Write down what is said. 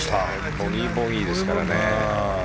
ボギー、ボギーですからね。